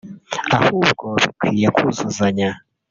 ahubwo bikwiye kuzuzanya